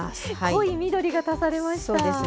濃い緑が足されました。